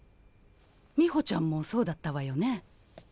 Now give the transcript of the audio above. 美穂ちゃんもそうだったわよね？